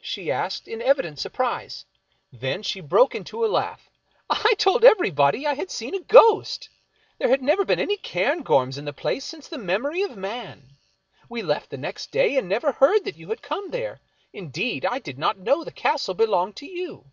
she asked, in evident surprise. Then she broke into a laugh. " I told everybody I had seen a ghost ; there had never been any Cairngorms in the place since the memory of man. V/e left the next day, and never heard that you had come there ; indeed, I did not know the castle belonged to you."